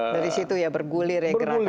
dari situ ya bergulir ya gerakannya